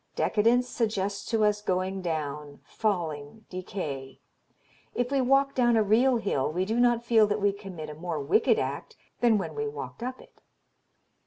Decadence suggests to us going down, falling, decay. If we walk down a real hill we do not feel that we commit a more wicked act than when we walked up it....